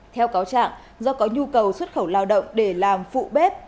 theo cáo trạng do có nhu cầu xuất khẩu lao động để làm phụ bếp